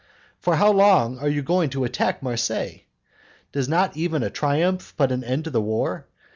For how long are you going to attack Marseilles? Does not even a triumph put an end to the war?